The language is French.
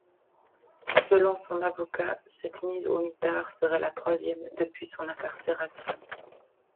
Selon son avocat, cette mise au mitard serait la troisième depuis son incarcération.